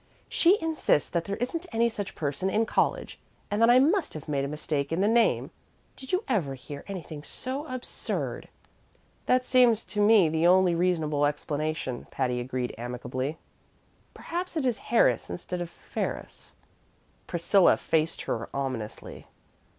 "She insists that there isn't any such person in college, and that I must have made a mistake in the name! Did you ever hear anything so absurd?" "That seems to me the only reasonable explanation," Patty agreed amicably. "Perhaps it is Harris instead of Ferris." Priscilla faced her ominously.